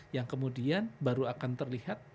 yang kemudian baru akan terlihat